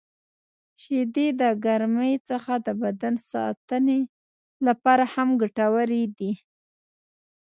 • شیدې د ګرمۍ څخه د بدن ساتنې لپاره هم ګټورې دي.